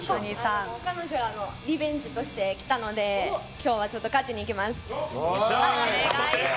彼女らのリベンジとして来たので今日は勝ちに行きます。